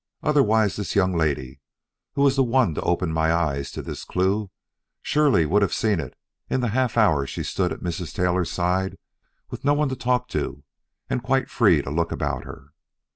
Otherwise this young lady, who was the one to open my eyes to this clue, surely would have seen it in the half hour she stood at Mrs. Taylor's side with no one to talk to and quite free to look about her.